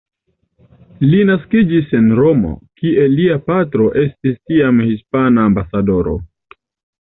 Li naskiĝis en Romo, kie lia patro estis tiam hispana ambasadoro.